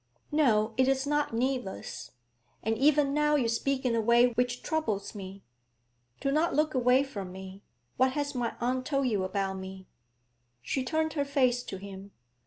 'No, it is not needless; and even now you speak in a way which troubles me. Do not look away from me. What has my aunt told you about me?' She turned her face to him.